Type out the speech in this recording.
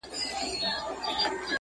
• د ارغوان له خاطرو مي راوتلي عطر -